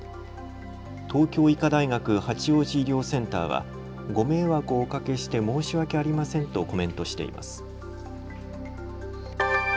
東京医科大学八王子医療センターは、ご迷惑をおかけして申し訳ありませんとコメントしています。